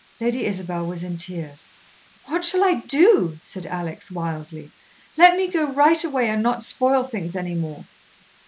Lady Isabel was in tears. "What shall I do?" said Alex wildly. "Let me go right away and not spoil things any more."